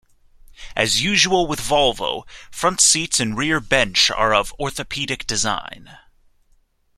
As usual with Volvo, front seats and rear bench are of orthopedic design.